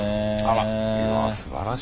あら！